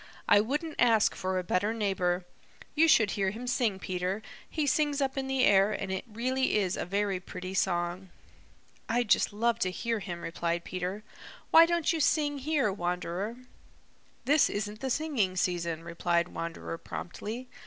"I wouldn't ask for a better neighbor. You should hear him sing, Peter. He sings up in the air, and it really is a very pretty song." "I'd just love to hear him," replied Peter. "Why don't you sing here, Wanderer?" "This isn't the singing season," replied Wanderer promptly.